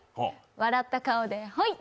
笑った顔でホイ！